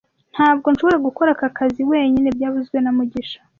Ntabwo nshobora gukora aka kazi wenyine byavuzwe na mugisha